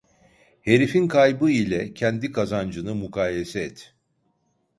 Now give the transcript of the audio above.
Herifin kaybı ile kendi kazancını mukayese et!